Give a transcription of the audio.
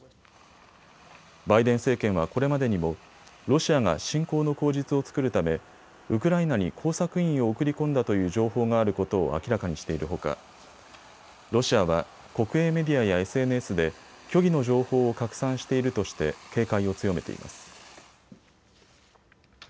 バイデン政権はこれまでにもロシアが侵攻の口実を作るためウクライナに工作員を送り込んだという情報があることを明らかにしているほかロシアは国営メディアやＳＮＳで虚偽の情報を拡散しているとして警戒を強めています。